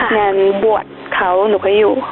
งานบวชเขาหนูก็อยู่